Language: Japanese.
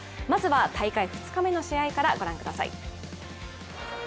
まずは大会２日目の試合から御覧ください。